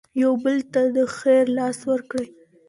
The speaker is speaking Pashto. یو بل ته د خیر لاس ورکړئ.